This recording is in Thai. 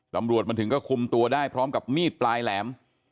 ตำรวจมาถึงก็คุมตัวได้พร้อมกับมีดปลายแหลม